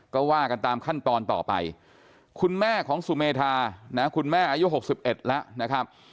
ก็ว่ากันตามขั้นตอนต่อไปคุณแม่ของสุเมธานะคุณแม่อายุ๖๑แล้วนะครับ